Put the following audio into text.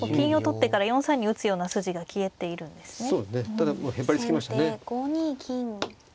ただまあへばりつきましたね。